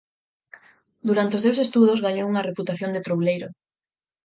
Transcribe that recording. Durante os seus estudos gañou unha reputación de trouleiro.